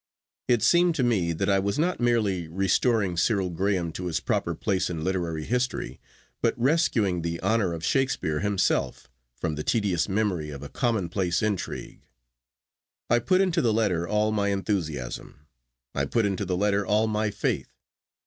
It seemed to me that I was not merely restoring Cyril Graham to his proper place in literary history, but rescuing the honour of Shakespeare himself from the tedious memory of a commonplace intrigue. I put into the letter all my enthusiasm. I put into the letter all my faith.